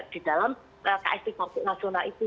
di dalam kstik fokus nasional itu